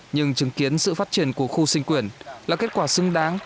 nhưng chứng kiến sự phát triển của khu sinh quyền là kết quả xứng đáng